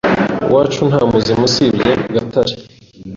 Iwacu ntamuzima usibye gatare